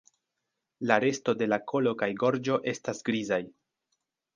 La resto de la kolo kaj gorĝo estas grizaj.